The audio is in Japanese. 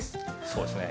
そうですね。